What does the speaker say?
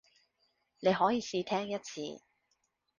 你可以試聽一次